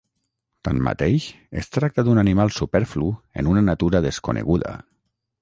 Tanmateix, es tracta d'un animal superflu en una natura desconeguda.